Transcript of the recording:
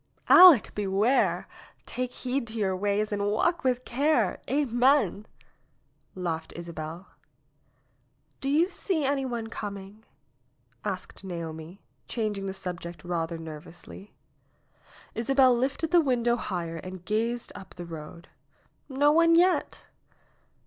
"Aleck, beware! Take heed to your ways and walk with care. Amen !" laughed Isabel. "Do you see any one coming?" asked Naomi, changing the subject rather nervously. Isabel lifted the window higher and gazed up the road. "No one yet